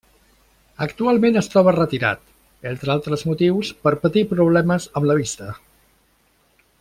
Actualment es troba retirat, entre altres motius, per patir problemes amb la vista.